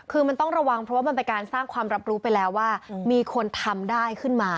คือมันต้องระวังเพราะว่ามันเป็นการสร้างความรับรู้ไปแล้วว่ามีคนทำได้ขึ้นมา